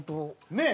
ねえ？